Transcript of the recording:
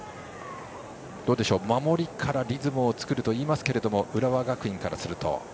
どうでしょう、守りからリズムを作るといいますが浦和学院からすると。